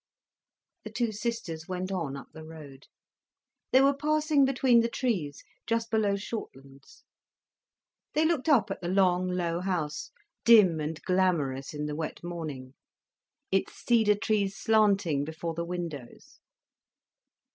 The two sisters went on, up the road. They were passing between the trees just below Shortlands. They looked up at the long, low house, dim and glamorous in the wet morning, its cedar trees slanting before the windows.